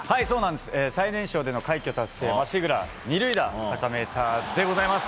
最年少での快挙達成まっしぐら２塁打サカメーターでございます。